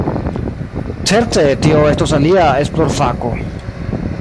Certe tio estos alia esplorfako.